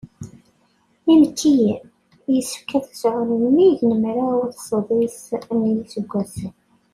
Imekkiyen, yessefk ad sɛun nnig n mraw d sḍis n yiseggasen.